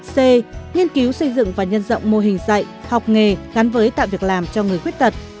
c nghiên cứu xây dựng và nhân rộng mô hình dạy học nghề gắn với tạo việc làm cho người khuyết tật